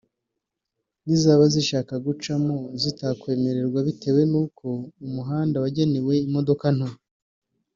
nizaba zishaka gucamo zitakwemererwa bitewe n’uko ari umuhanda wagenewe imodoka nto